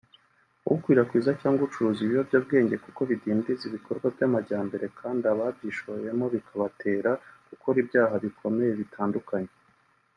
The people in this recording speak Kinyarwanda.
ukwirakwiza cyangwa ucuruza ibiyobyabwenge kuko bidindiza ibikorwa by’amajyambere kandi ababyishoyemo bikabatera gukora ibyaha bikomeye bitandukanye